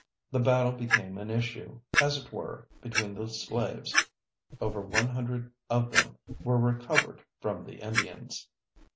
The battle became an issue, as it were, between the slaves. Over one hundred of them were recovered from the Indians.